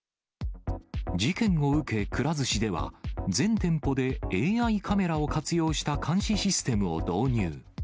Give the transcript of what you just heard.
事件を受け、くら寿司では、全店舗でＡＩカメラを活用した監視システムを導入。